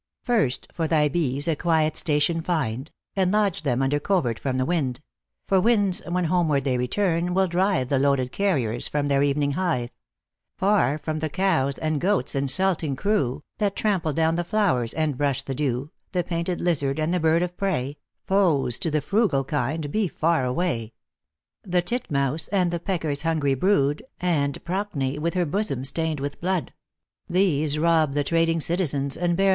First, for thy bees a quiet station find, And lodge them under covert from the wind ; For winds, when homeward they return, will drive The loaded carriers from their earing hive ; Far from the cows and goats insulting crew, That trample down the flowers and brush the dew, The painted lizard and the bird of prey, Foes to the frugal kind, be far away The titmouse and the pecker s hungry brood, And Procne with her bosom stained with blood : These rob the trading citizens, and bear